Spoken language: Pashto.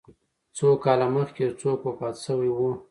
څو کاله مخکي یو څوک وفات سوی و